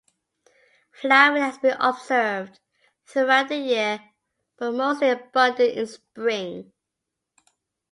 Flowering has been observed throughout the year but mostly abundant in spring.